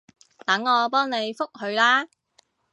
等我幫你覆佢啦